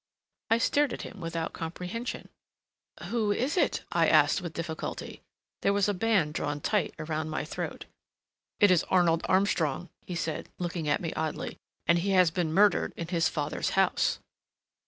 I stared at him without comprehension. "Who is it?" I asked with difficulty. There was a band drawn tight around my throat. "It is Arnold Armstrong," he said, looking at me oddly, "and he has been murdered in his father's house."